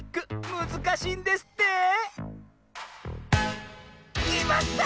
むずかしいんですってきまった！